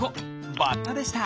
バッタでした。